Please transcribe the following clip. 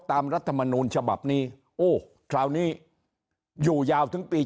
รัฐมนูลฉบับนี้โอ้คราวนี้อยู่ยาวถึงปี